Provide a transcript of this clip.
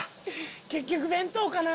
結局弁当かな？